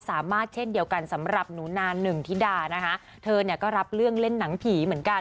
เช่นเดียวกันสำหรับหนูนาหนึ่งธิดานะคะเธอเนี่ยก็รับเรื่องเล่นหนังผีเหมือนกัน